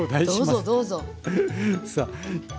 どうぞどうぞ。